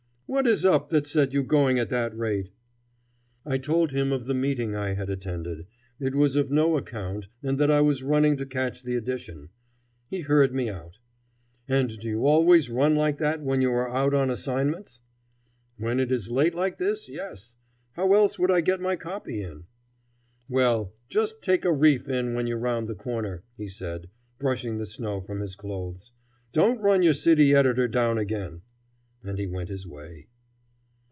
What is up that set you going at that rate?" I told him of the meeting I had attended it was of no account and that I was running to catch the edition. He heard me out. "And do you always run like that when you are out on assignments?" "When it is late like this, yes. How else would I get my copy in?" "Well, just take a reef in when you round the corner," he said, brushing the snow from his clothes. "Don't run your city editor down again." And he went his way.